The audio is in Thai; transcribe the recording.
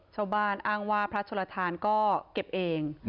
ชาวบ้านอ้างว่าพระชลทานก็เก็บเอง